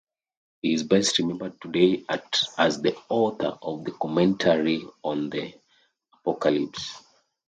He is best remembered today as the author of the "Commentary on the Apocalypse".